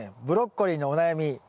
ブロッコリーのお悩み